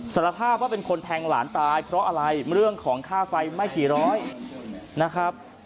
สารภาพว่าเป็นคนแทงหลานตายเพราะอะไรเรื่องของค่าไฟไม่กี่ร้อยนะครับ